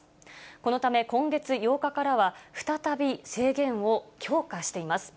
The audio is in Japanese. このため、今月８日からは、再び制限を強化しています。